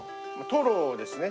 トロですね。